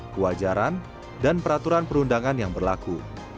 kewajaran dan peraturan perundangan yang berlaku